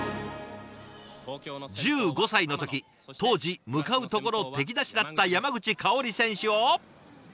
１５歳の時当時向かうところ敵なしだった山口香選手を。